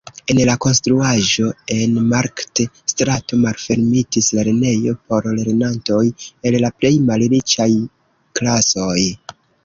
En la konstruaĵo en Markt-strato malfermitis lernejo por lernantoj el la plej malriĉaj klasoj.